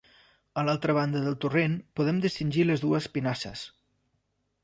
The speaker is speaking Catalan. A l'altra banda del torrent podem distingir les dues pinasses.